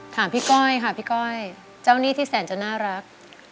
ถามพี่ก้อยค่ะพี่ก้อยเจ้าหนี้ที่แสนจะน่ารัก